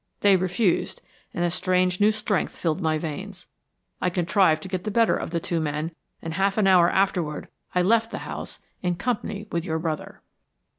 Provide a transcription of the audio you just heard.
They refused, and a strange new strength filled my veins. I contrived to get the better of the two men, and half an hour afterward I left the house in company with your brother."